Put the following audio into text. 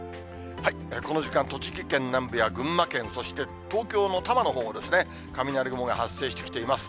この時間、栃木県南部や群馬県、そして東京の多摩のほうもですね、雷雲が発生してきています。